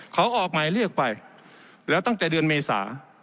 เขาออกหมายเรียกไปแล้วตั้งแต่เดือนเมษา